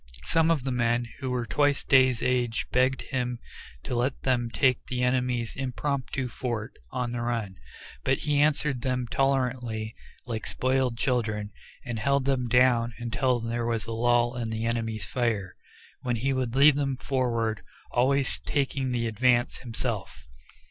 Some of the men who were twice Day's age begged him to let them take the enemy's impromptu fort on the run, but he answered them tolerantly like spoiled children, and held them down until there was a lull in the enemy's fire, when he would lead them forward, always taking the advance himself.